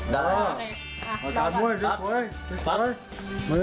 ได้ประกาศม่วงเร็วสวย